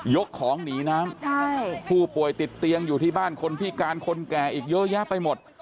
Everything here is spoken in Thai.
ของหนีน้ำผู้ป่วยติดเตียงอยู่ที่บ้านคนพิการคนแก่อีกเยอะแยะไปหมด